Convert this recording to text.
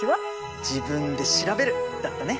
自分で調べる！だったね。